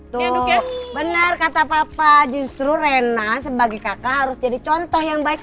tuh benar kata papa justru rena sebagai kakak harus jadi contoh yang baik